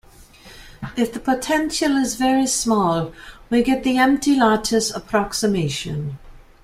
If the potential is very small we get the Empty Lattice Approximation.